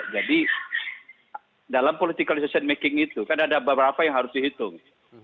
jadi dalam political decision making itu kan ada beberapa yang harus dihitung